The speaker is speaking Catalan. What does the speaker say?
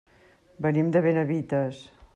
Venim de Benavites.